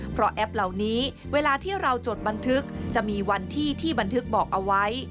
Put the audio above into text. เพราะแอปเหล่านี้เวลาที่เราจดบันทึกจะมีวันที่ที่บันทึกบอกเอาไว้